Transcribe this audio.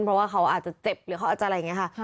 เพราะว่าเขาอาจจะเจ็บหรือเขาอาจจะอะไรอย่างนี้ค่ะ